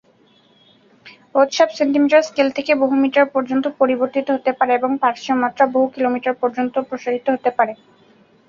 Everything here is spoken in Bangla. বেধ সাব-সেন্টিমিটার স্কেল থেকে বহু মিটার পর্যন্ত পরিবর্তিত হতে পারে এবং পার্শ্বীয় মাত্রা বহু কিলোমিটার পর্যন্ত প্রসারিত হতে পারে।